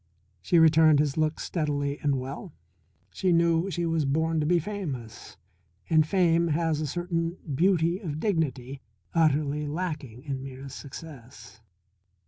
She returned his look steadily and well. She knew she was born to be famous, and fame has a certain beauty of dignity utterly lacking in mere success.